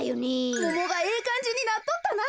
モモがええかんじになっとったなあ。